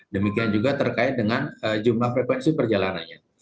demikian juga terkait dengan jumlah frekuensi perjalanannya